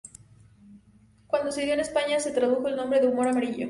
Cuando se dio en España se tradujo el nombre a Humor Amarillo.